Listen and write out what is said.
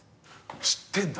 知ってんだ。